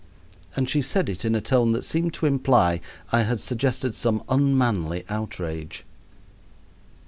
And she said it in a tone that seemed to imply I had suggested some unmanly outrage.